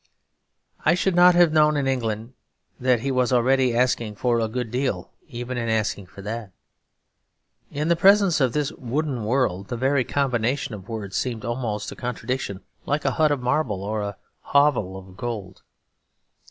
I should not have known, in England, that he was already asking for a good deal even in asking for that. In the presence of this wooden world the very combination of words seems almost a contradiction, like a hut of marble, or a hovel of gold.